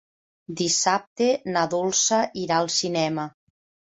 Dissabte na Dolça irà al cinema.